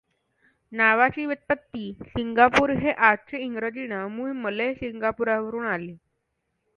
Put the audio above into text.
नावाची व्युत्पत्ती सिंगापूर हे आजचे इंग्रजी नाव मूळ मलय सिंगपूरा वरून आले.